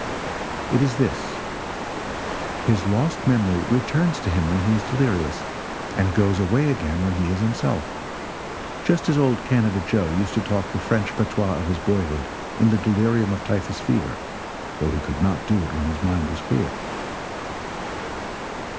It is this: his lost memory returns to him when he is delirious, and goes away again when he is himself just as old Canada Joe used to talk the French patois of his boyhood in the delirium of typhus fever, though he could not do it when his mind was clear.